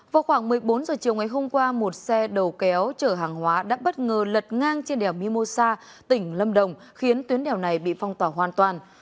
vào khoảng một mươi bốn h chiều ngày hôm qua một xe đầu kéo chở hàng hóa đã bất ngờ lật ngang trên đèo mimosa tỉnh lâm đồng khiến tuyến đèo này bị phong tỏa hoàn toàn